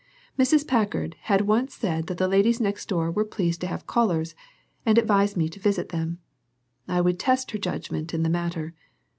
Mrs. Packard had once said that the ladies next door were pleased to have callers, and advised me to visit them. I would test her judgment in the matter.